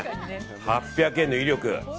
８００円の威力。